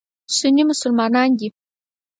سني مسلمانان دي.